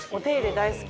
大好き。